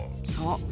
そう。